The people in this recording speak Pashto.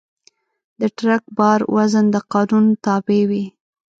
د ټرک بار وزن د قانون تابع وي.